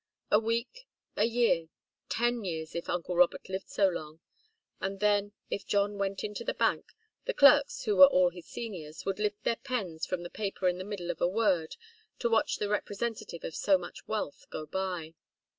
A week a year ten years, if uncle Robert lived so long and then, if John went into the bank, the clerks, who were all his seniors, would lift their pens from the paper in the middle of a word to watch the representative of so much wealth go by.